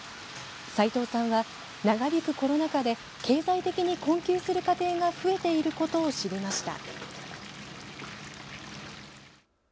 齋藤さんは、長引くコロナ禍で経済的に困窮する家庭が増えていることを知りました。